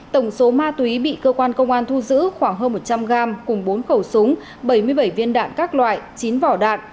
tổng số ma túy bị cơ quan công an thu giữ khoảng hơn một trăm linh gram cùng bốn khẩu súng bảy mươi bảy viên đạn các loại chín vỏ đạn